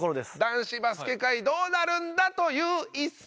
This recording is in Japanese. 男子バスケ界どうなるんだ？という一戦。